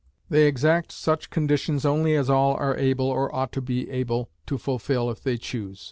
They exact such conditions only as all are able, or ought to be able, to fulfill if they choose.